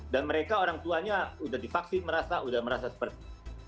dan mereka orang tuanya sudah divaksin merasa sudah merasa seperti